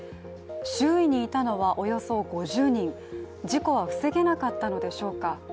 周囲にいたのはおよそ５０人、事故は防げなかったのでしょうか。